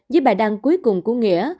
dưới bài đăng cuối cùng của nghĩa